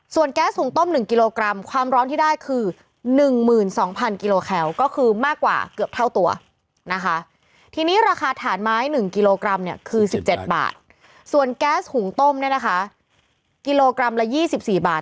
ส่วนแก๊สหุ่งต้ม๑กิโลกรัมความร้อนที่ได้คือ๑๒๐๐๐กิโลแคลก็คือมากกว่าเกือบเท่าตัวนะคะ